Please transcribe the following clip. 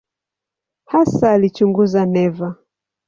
Hasa alichunguza neva.